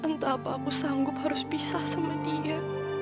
entah apa aku sanggup harus pisah sama dia